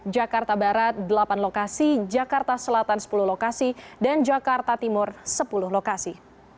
jakarta barat delapan lokasi jakarta selatan sepuluh lokasi dan jakarta timur sepuluh lokasi